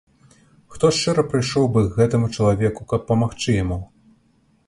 Хто шчыра прыйшоў бы к гэтаму чалавеку, каб памагчы яму?